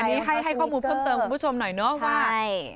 อันนี้ให้ข้อมูลเพิ่มเติมคุณผู้ชมหน่อยเนาะว่า